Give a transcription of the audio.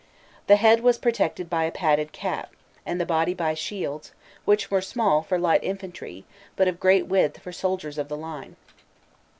The head was protected by a padded cap, and the body by shields, which were small for light infantry, but of great width for soldiers of the line.